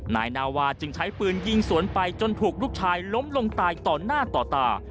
นายนาวาจึงใช้ปืนยิงสวนไปจนถูกลูกชายล้มลงตายต่อหน้าต่อตา